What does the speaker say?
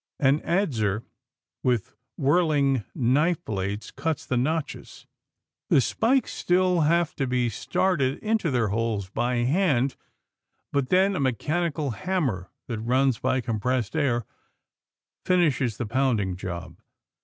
An adzer with whirling knife blades cuts the notches. The spikes still have to be started into their holes by hand, but then a mechanical hammer that runs by compressed air finishes the pounding job.